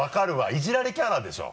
イジられキャラでしょ？